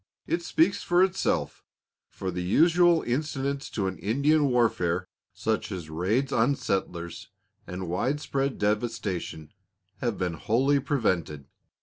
It speaks for itself, for the usual incidents to an Indian warfare, such as raids on settlers and widespread devastation, have been wholly prevented.